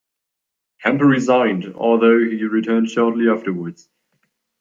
Kempe resigned, although he returned shortly afterwards.